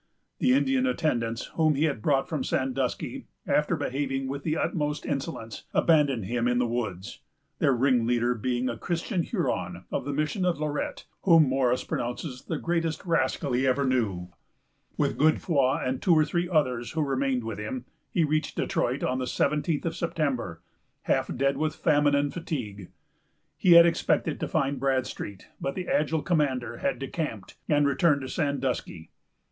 The Indian attendants, whom he had brought from Sandusky, after behaving with the utmost insolence, abandoned him in the woods; their ringleader being a Christian Huron, of the Mission of Lorette, whom Morris pronounces the greatest rascal he ever knew. With Godefroy and two or three others who remained with him, he reached Detroit on the seventeenth of September, half dead with famine and fatigue. He had expected to find Bradstreet; but that agile commander had decamped, and returned to Sandusky.